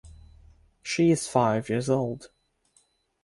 She is five years old.